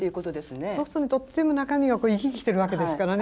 そうするととっても中身が生き生きしてるわけですからね